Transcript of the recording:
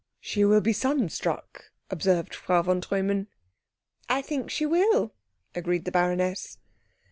"She will be sunstruck," observed Frau von Treumann. "I think she will," agreed the baroness.